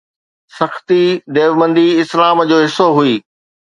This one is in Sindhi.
سختي ديوبندي اسلام جو حصو هئي.